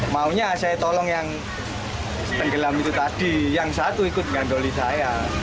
maunya saya tolong yang tenggelam itu tadi yang satu ikut dengan doli saya